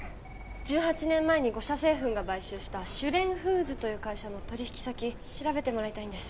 １８年前に五車製粉が買収した朱蓮フーズという会社の取引先調べてもらいたいんです